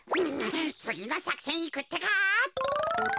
つぎのさくせんいくってか。